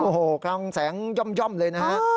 โอ้โหกลางแสงย่อมเลยนะฮะ